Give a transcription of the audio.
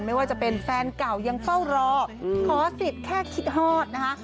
ไม่ว่าจะเป็นแฟนเก่ายังเฝ้ารอขอสิทธิ์แค่คิดฮอดนะคะ